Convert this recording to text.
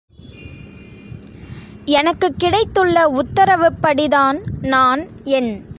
எனக்குக் கிடைத்துள்ள உத்தரவுப்படி தான் நான் என்.